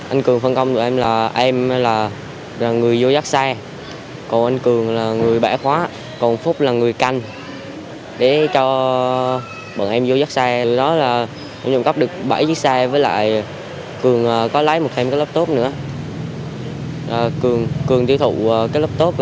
anh cường phân công tụi em là em là người vô giác xe còn anh cường là người bẻ khóa còn phúc là người canh để cho bọn em vô giác xe